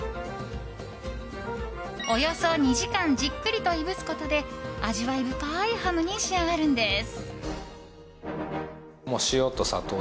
およそ２時間じっくりといぶすことで味わい深いハムに仕上がるんです。